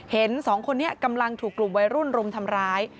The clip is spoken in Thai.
สองคนนี้กำลังถูกกลุ่มวัยรุ่นรุมทำร้าย